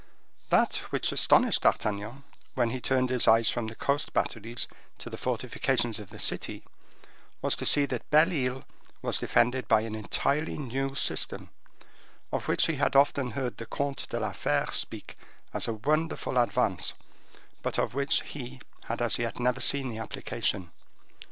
That which astonished D'Artagnan, when he turned his eyes from the coast batteries to the fortifications of the city, was to see that Belle Isle was defended by an entirely new system, of which he had often heard the Comte de la Fere speak as a wonderful advance, but of which he had as yet never seen the application.